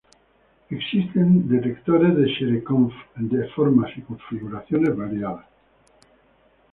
Existen detectores de Cherenkov de formas y configuraciones variadas.